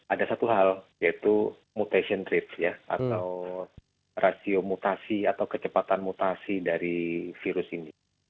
ada satu hal yaitu mutation rate ya atau rasio mutasi atau kecepatan mutasi dari virus ini